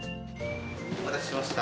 お待たせしました。